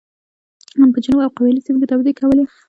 په جنوب او قبایلي سیمو کې توزېع کولې.